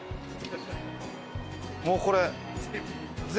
もうこれ。